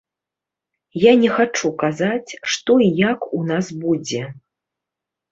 Я не хачу казаць, што і як у нас будзе.